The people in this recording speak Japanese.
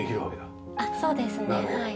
そうですねはい。